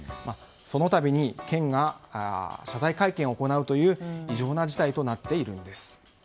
その度に県が謝罪会見を行うという異常な事態となっているのです。